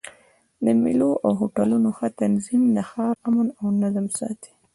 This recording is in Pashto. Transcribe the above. د مېلو او هوټلونو ښه تنظیم د ښار امن او نظم ساتي.